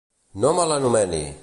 No me l'anomeni!